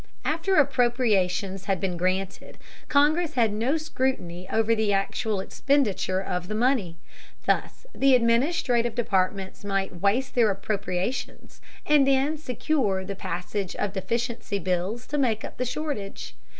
After appropriations had been granted, Congress had no scrutiny over the actual expenditure of the money. Thus the administrative departments might waste their appropriations, and then secure the passage of deficiency bills to make up the shortage.